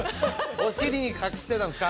お尻に隠してたんですか？